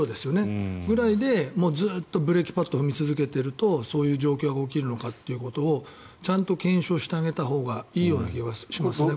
どのぐらいでずっとブレーキパッドを踏み続けているとそういう状況が起きるのかっていうことをちゃんと検証してあげたほうがいいような気がしますね。